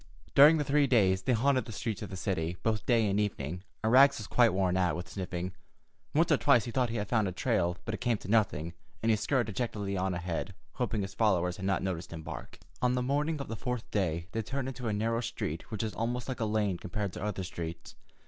During the three days, they haunted the streets of the city, both day and evening, and Rags was quite worn out with sniffing. Once or twice he thought he had found a trail, but it came to nothing, and he scurried dejectedly on ahead, hoping his followers had not noticed him bark. On the morning of the fourth day they turned into a narrow street which was almost like a lane compared to other streets.